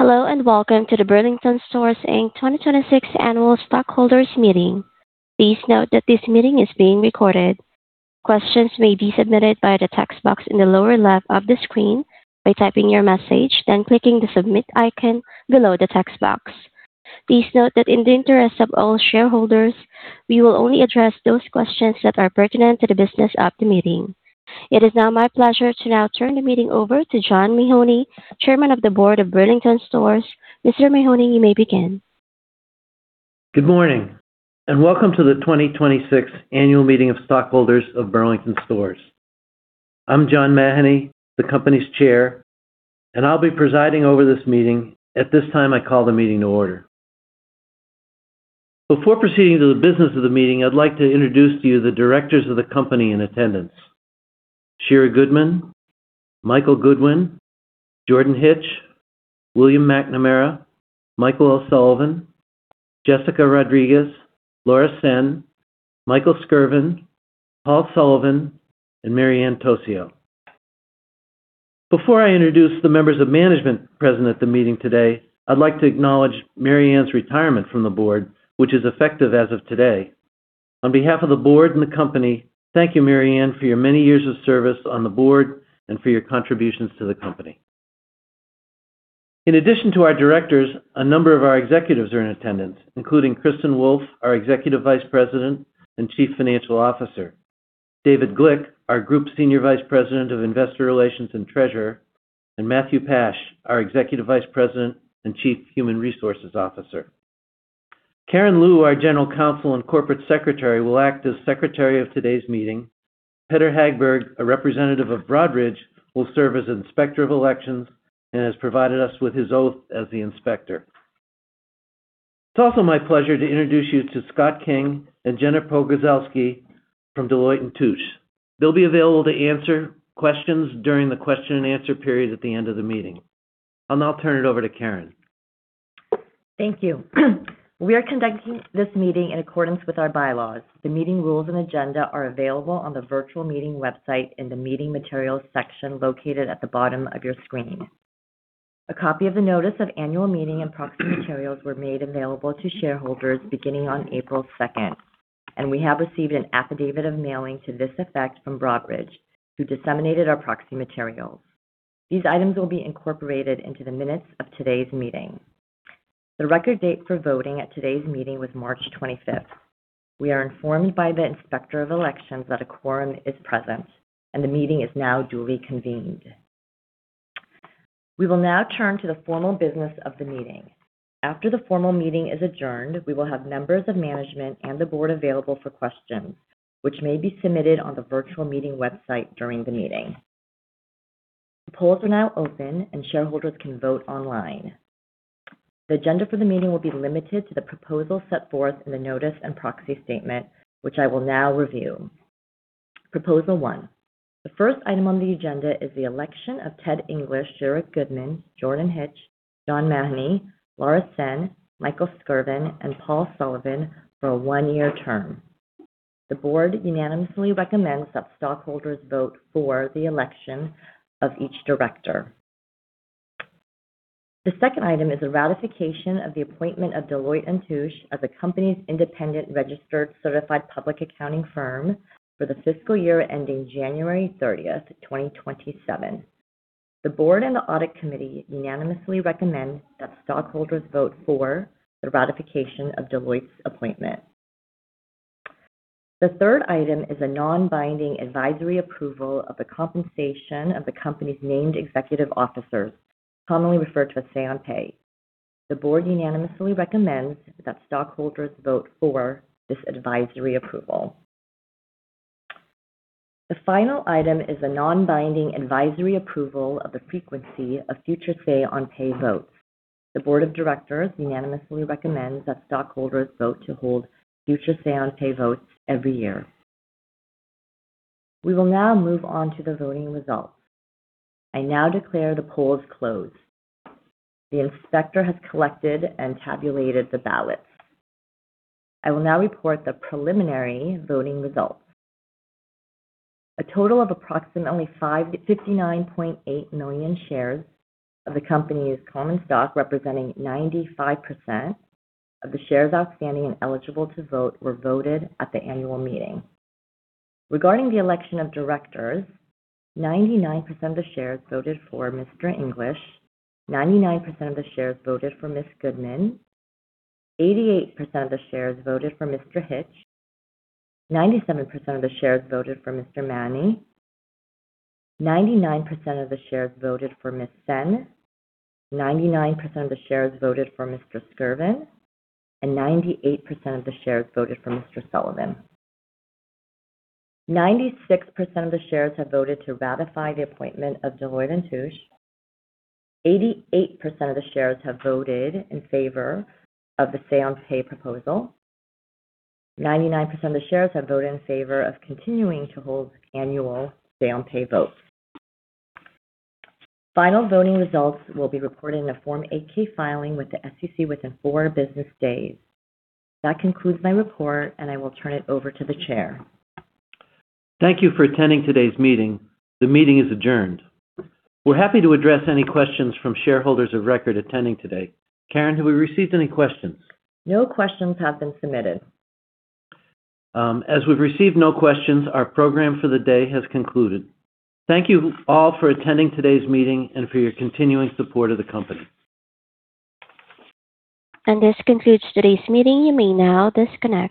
Hello, welcome to the Burlington Stores, Inc. 2026 Annual Stockholders Meeting. Please note that this meeting is being recorded. Questions may be submitted via the text box in the lower left of the screen by typing your message, then clicking the Submit icon below the text box. Please note that in the interest of all shareholders, we will only address those questions that are pertinent to the business of the meeting. It is now my pleasure to now turn the meeting over to John Mahoney, Chairman of the Board of Burlington Stores. Mr. Mahoney, you may begin. Good morning, and welcome to the 2026 Annual Meeting of Stockholders of Burlington Stores. I'm John Mahoney, the company's chair, and I'll be presiding over this meeting. At this time, I call the meeting to order. Before proceeding to the business of the meeting, I'd like to introduce to you the directors of the company in attendance: Shira Goodman, Michael Goodwin, Jordan Hitch, William McNamara, Michael O'Sullivan, Jessica Rodriguez, Laura Sen, Michael Skirvin, Paul Sullivan, and Mary Ann Tocio. Before I introduce the members of management present at the meeting today, I'd like to acknowledge Mary Ann's retirement from the board, which is effective as of today. On behalf of the board and the company, thank you, Mary Ann, for your many years of service on the board and for your contributions to the company. In addition to our directors, a number of our executives are in attendance, including Kristin Wolfe, our Executive Vice President and Chief Financial Officer, David Glick, our Group Senior Vice President of Investor Relations and Treasurer, and Matthew Pasch, our Executive Vice President and Chief Human Resources Officer. Karen Leu, our General Counsel and Corporate Secretary, will act as Secretary of today's meeting. Peder Hagberg, a representative of Broadridge, will serve as Inspector of Elections and has provided us with his oath as the Inspector. It's also my pleasure to introduce you to Scott King and Jenna Pogorzelski from Deloitte & Touche. They'll be available to answer questions during the question-and-answer period at the end of the meeting. I'll now turn it over to Karen. Thank you. We are conducting this meeting in accordance with our bylaws. The meeting rules and agenda are available on the virtual meeting website in the Meeting Materials section located at the bottom of your screen. A copy of the Notice of Annual Meeting and proxy materials were made available to shareholders beginning on April 2nd, and we have received an affidavit of mailing to this effect from Broadridge, who disseminated our proxy materials. These items will be incorporated into the minutes of today's meeting. The record date for voting at today's meeting was March 25th. We are informed by the Inspector of Elections that a quorum is present, and the meeting is now duly convened. We will now turn to the formal business of the meeting. After the formal meeting is adjourned, we will have members of management and the board available for questions, which may be submitted on the virtual meeting website during the meeting. The polls are now open, and shareholders can vote online. The agenda for the meeting will be limited to the proposal set forth in the notice and proxy statement, which I will now review. Proposal one. The first item on the agenda is the election of Ted English, Shira Goodman, Jordan Hitch, John Mahoney, Laura Sen, Michael Skirvin, and Paul Sullivan for a one-year term. The board unanimously recommends that stockholders vote for the election of each director. The second item is a ratification of the appointment of Deloitte & Touche as the company's independent registered certified public accounting firm for the fiscal year ending January 30th, 2027. The board and the Audit Committee unanimously recommend that stockholders vote for the ratification of Deloitte's appointment. The third item is a non-binding advisory approval of the compensation of the company's named executive officers, commonly referred to as Say-on-Pay. The board unanimously recommends that stockholders vote for this advisory approval. The final item is a non-binding advisory approval of the frequency of future Say-on-Pay votes. The board of directors unanimously recommends that stockholders vote to hold future Say-on-Pay votes every year. We will now move on to the voting results. I now declare the polls closed. The inspector has collected and tabulated the ballots. I will now report the preliminary voting results. A total of approximately 559.8 million shares of the company's common stock, representing 95% of the shares outstanding and eligible to vote, were voted at the annual meeting. Regarding the election of directors, 99% of the shares voted for Mr. English, 99% of the shares voted for Ms. Goodman, 88% of the shares voted for Mr. Hitch, 97% of the shares voted for Mr. Mahoney, 99% of the shares voted for Ms. Sen, 99% of the shares voted for Mr. Skirvin, and 98% of the shares voted for Mr. Sullivan. 96% of the shares have voted to ratify the appointment of Deloitte & Touche. 88% of the shares have voted in favor of the Say-on-Pay proposal. 99% of the shares have voted in favor of continuing to hold annual Say-on-Pay votes. Final voting results will be reported in a Form 8-K filing with the SEC within four business days. That concludes my report, and I will turn it over to the Chair. Thank you for attending today's meeting. The meeting is adjourned. We're happy to address any questions from shareholders of record attending today. Karen, have we received any questions? No questions have been submitted. As we've received no questions, our program for the day has concluded. Thank you all for attending today's meeting and for your continuing support of the company. This concludes today's meeting. You may now disconnect.